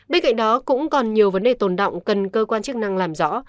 bên cạnh đó cũng còn nhiều vấn đề tồn động cần cơ quan chức năng làm rõ